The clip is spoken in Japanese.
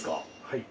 はい。